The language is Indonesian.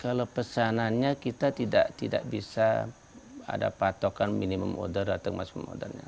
kalau pesanannya kita tidak bisa ada patokan minimum order atau masuk modernya